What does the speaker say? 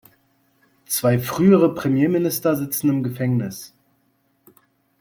Zwei frühere Premierminister sitzen im Gefängnis.